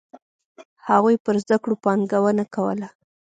هغوی پر زده کړو پانګونه کوله.